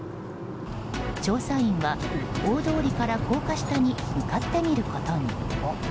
調査員は、大通りから高架下に向かってみることに。